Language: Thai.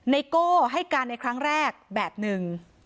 โก้ให้การในครั้งแรกแบบหนึ่ง